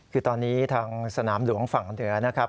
คือตอนนี้ทางสนามหลวงฝั่งเหนือนะครับ